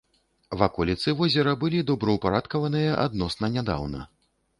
Ваколіцы возера былі добраўпарадкаваныя адносна нядаўна.